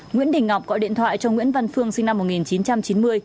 nguyễn đình ngọc gọi điện thoại cho nguyễn văn phương sinh năm một nghìn chín trăm chín mươi